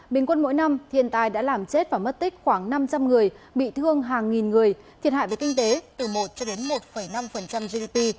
bình quân mỗi năm thiên tai đã làm chết và mất tích khoảng năm trăm linh người bị thương hàng nghìn người thiệt hại về kinh tế từ một cho đến một năm gdp